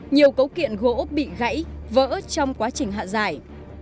nhiều cấu kiện gỗ bị gãy vỡ trong quá trình hạ giải